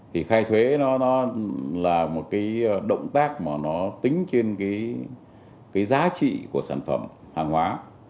thì khai thuế nó là một cái động tác mà nó tính trên cái giá trị của sản phẩm hàng hóa